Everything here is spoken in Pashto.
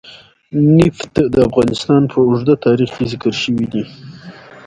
نفت د افغانستان په اوږده تاریخ کې ذکر شوی دی.